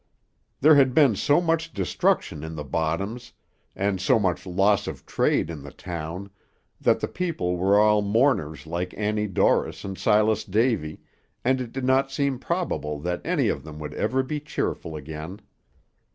There had been so much destruction in the bottoms, and so much loss of trade in the town, that the people were all mourners like Annie Dorris and Silas Davy, and it did not seem probable that any of them would ever be cheerful again.